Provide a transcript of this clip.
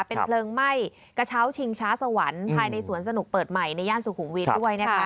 เป็นเพลิงไหม้กระเช้าชิงช้าสวรรค์ภายในสวนสนุกเปิดใหม่ในย่านสุขุมวิทย์ด้วยนะคะ